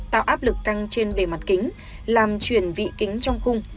tạo áp lực căng trên bề mặt kính làm chuyển vị kính trong khung